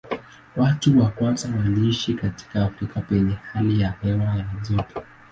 Watu wa kwanza waliishi katika Afrika penye hali ya hewa ya joto.